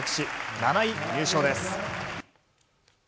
７位入賞です。